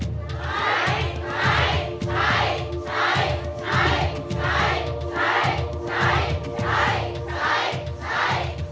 ใช่